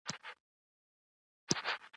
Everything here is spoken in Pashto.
د هر افغان هیله او ارمان دی؛